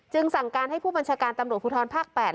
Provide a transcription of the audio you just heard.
สั่งการให้ผู้บัญชาการตำรวจภูทรภาค๘